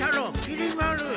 きり丸！